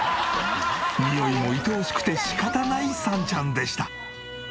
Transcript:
においもいとおしくして仕方ないサンちゃんでした。